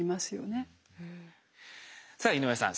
さあ井上さん